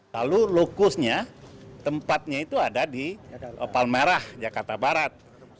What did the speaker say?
lalu lokusnya tempatnya itu ada di palmerah jakarta barat